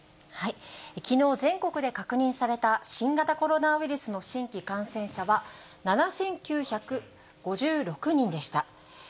きのう、全国で確認された新型コロナウイルスの新規感染者は７９５６人でした。